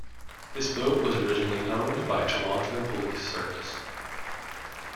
This boat was originally owned by Toronto Police Service.